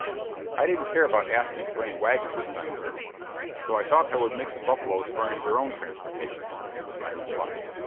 "I didn't care about asking for any wagons this time, Colonel; so I thought I would make the buffaloes furnish their own transportation," was my reply.